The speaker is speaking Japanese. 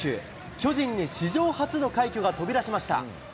巨人に史上初の快挙が飛び出しました。